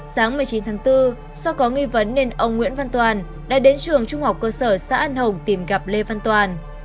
sáng một mươi chín tháng bốn do có nghi vấn nên ông nguyễn văn toàn đã đến trường trung học cơ sở xã an hồng tìm gặp lê văn toàn